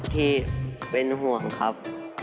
ที่เป็นห่วงครับ